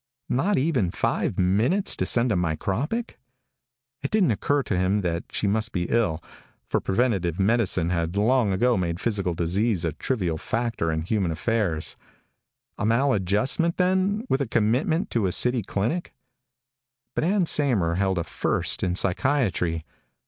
Not even five minutes to send a micropic? It didn't occur to him that she might be ill, for preventive medicine had long ago made physical disease a trivial factor in human affairs. A maladjustment then, with commitment to a city clinic? But Ann Saymer held a First in Psychiatry.